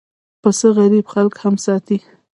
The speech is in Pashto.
پسه غریب خلک هم ساتي.